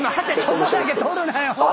そこだけ取るなよ。